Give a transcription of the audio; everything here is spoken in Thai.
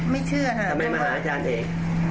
เชื่อค่ะทำไมมาหาอาจารย์เอก